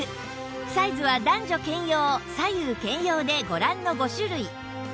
サイズは男女兼用左右兼用でご覧の５種類